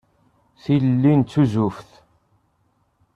Tilelli n tuzzuft.